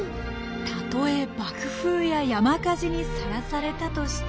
たとえ爆風や山火事にさらされたとしてもよく見ててください。